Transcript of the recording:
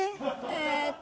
えーっと。